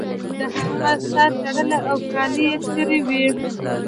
د هغه سر تړلی و او کالي یې څیرې وو